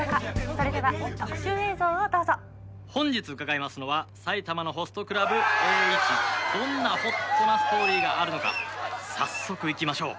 それでは特集映像をどうぞ本日伺いますのは埼玉のホストクラブエーイチどんなホットなストーリーがあるのか早速いきましょう